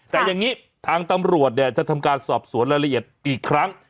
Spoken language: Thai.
แต่อย่างนี้ทางตำรวจเนี่ยจะทำการสอบสวนรายละเอียดอีกครั้ง